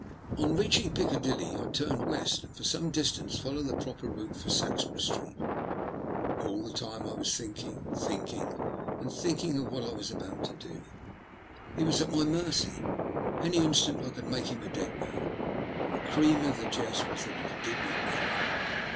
On reaching Piccadilly I turned west, and for some distance followed the proper route for Saxeburgh Street. All the time I was thinking, thinking, and thinking of what I was about to do. He was at my mercy ; any instant I could [make him a dead man, and the cream of the jest was that he did not know it.